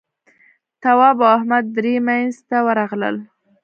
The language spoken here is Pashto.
تواب او احمد درې مينځ ته ورغلل.